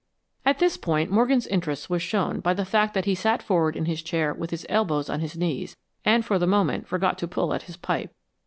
At this point Morgan's interest was shown by the fact that he sat forward in his chair with his elbows on his knees, and for the moment forgot to pull at his pipe.